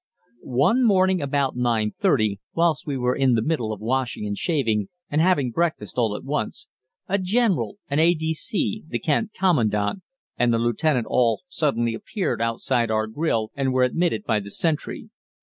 One morning about 9.30, whilst we were in the middle of washing and shaving and having breakfast all at once, a General, an A.D.C., the Camp Commandant, and the lieutenant all suddenly appeared outside our "grill" and were admitted by the sentry.